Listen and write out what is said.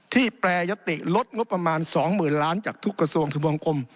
แปรยติลดงบประมาณ๒๐๐๐ล้านจากทุกกระทรวงทะบวงคม